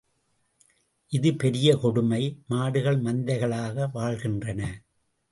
இது பெரிய கொடுமை, மாடுகள் மந்தைகளாக வாழ்கின்றன.